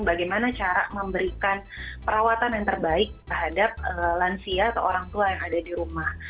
bagaimana cara memberikan perawatan yang terbaik terhadap lansia atau orang tua yang ada di rumah